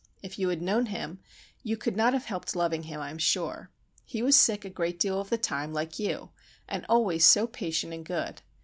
If you had known him, you could not have helped loving him, I am sure. He was sick a great deal of the time, like you, and always so patient and good.